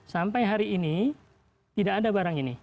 sampai hari ini tidak ada barang ini